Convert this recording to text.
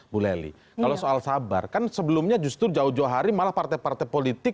bu lely kalau soal sabar kan sebelumnya justru jawa johari malah partai partai politik